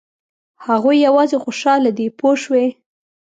هغوی یوازې خوشاله دي پوه شوې!.